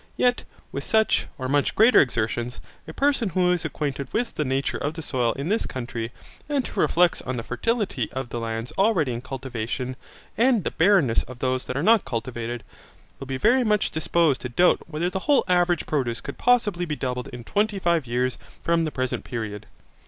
Yet with such, or much greater exertions, a person who is acquainted with the nature of the soil in this country, and who reflects on the fertility of the lands already in cultivation, and the barrenness of those that are not cultivated, will be very much disposed to doubt whether the whole average produce could possibly be doubled in twenty five years from the present period.